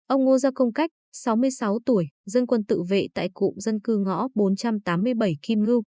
ông ngô gia công cách sáu mươi sáu tuổi dân quân tự vệ tại cụm dân cư ngõ bốn trăm tám mươi bảy kim ngư